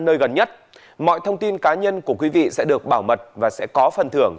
nơi gần nhất mọi thông tin cá nhân của quý vị sẽ được bảo mật và sẽ có phần thưởng